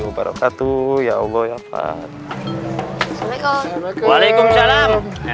wabarakatuh ya allah ya fath waalaikumsalam